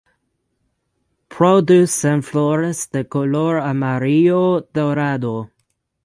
Producen flores de color amarillo dorado.